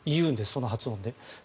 その発音で。